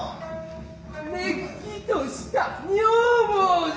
れっきとした女房じゃい。